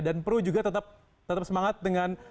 dan perlu juga tetap semangat dengan